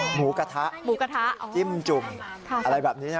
หมูกะทะจิ้มจุ่มอะไรแบบนี้นะ